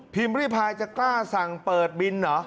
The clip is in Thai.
พิมพ์รี่พายจะกล้าสั่งเปิดบินเหรอ